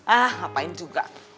ah ngapain juga